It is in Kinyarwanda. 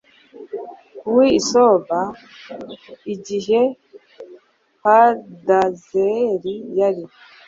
w i soba i igihe hadadezeri yari